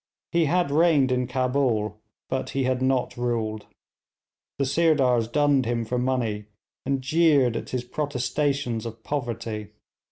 He had reigned in Cabul, but he had not ruled. The Sirdars dunned him for money, and jeered at his protestations of poverty.